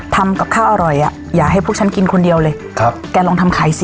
ทำกับข้าวอร่อยอ่ะอย่าให้พวกฉันกินคนเดียวเลยครับแกลองทำขายสิ